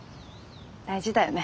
大事だよね